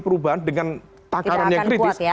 perubahan dengan takarannya kritis